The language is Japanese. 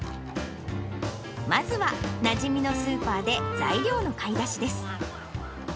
まずは、なじみのスーパーで材料の買い出しです。